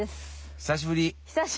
久しぶり。